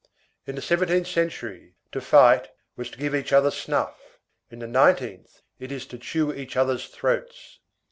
In the seventeenth century, to fight was "to give each other snuff"; in the nineteenth it is "to chew each other's throats."